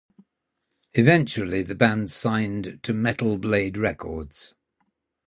Eventually, the band signed to Metal Blade Records.